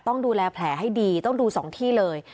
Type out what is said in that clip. ต้องดูแลแผลให้ดีต้องดู๒ที่เลย